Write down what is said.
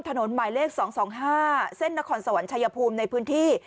ถนนหมายเลขสองสองห้าเส้นนครสวรรค์ชัยภูมิในพื้นที่